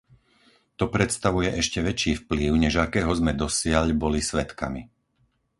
To predstavuje ešte väčší vplyv, než akého sme dosiaľ boli svedkami.